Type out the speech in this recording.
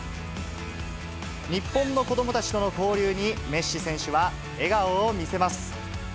日本の子どもたちとの交流に、メッシ選手は笑顔を見せます。